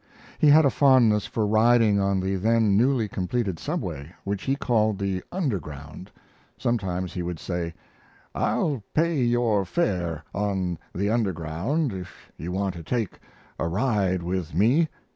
He had a fondness for riding on the then newly completed Subway, which he called the Underground. Sometimes he would say: "I'll pay your fare on the Underground if you want to take a ride with me."